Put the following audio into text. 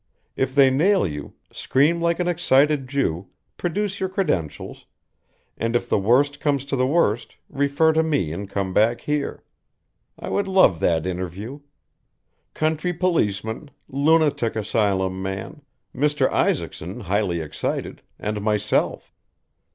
If they nail you, scream like an excited Jew, produce your credentials, and if the worst comes to the worst refer to me and come back here. I would love that interview. Country policeman, lunatic asylum man, Mr. Isaacson highly excited, and myself."